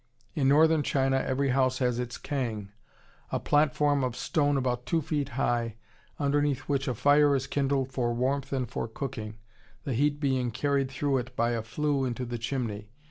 In Northern China every house has its kang, a platform of stone about two feet high, underneath which a fire is kindled for warmth and for cooking, the heat being carried through it by a flue into the chimney.